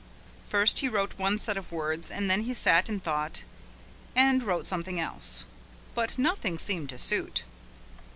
First he wrote one set of words and then he sat and thought and wrote something else. But nothing seemed to suit.